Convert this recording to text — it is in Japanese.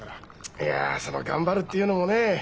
いやその「頑張る」っていうのもね